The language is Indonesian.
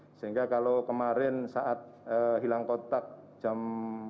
sehingga kalau kemarin saat hilang kotak jam tiga